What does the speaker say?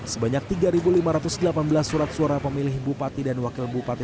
sebanyak tiga lima ratus delapan belas surat suara pemilih bupati dan wakil bupati